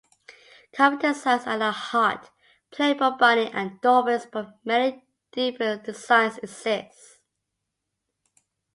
Common designs are a heart, Playboy bunny, and dolphins; but many different designs exist.